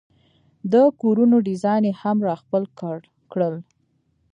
د کورونو ډیزاین یې هم را خپل کړل.